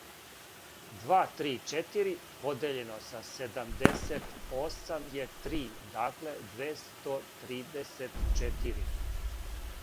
Два три четири подељено са седамдесетосам је три. Дакле двестотридесетчетири.